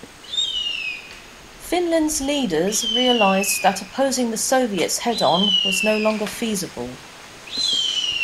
Finland's leaders realised that opposing the Soviets head-on was no longer feasible.